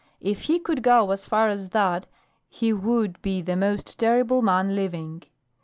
"If he could go as far as that he would be the most terrible man living.